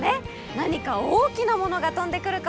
何か大きなものが飛んでくるかもしれないね。